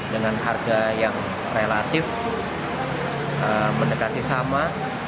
dengan harga yang relatif mendekati sama